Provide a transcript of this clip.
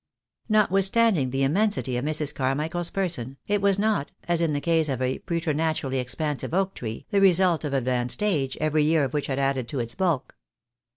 Notwithstanding the immensity of Mrs. Carmichael's person, it was not, as in the case of a preternaturally expansive oak tree, the result of advanced age, every year of which had added to its bulk.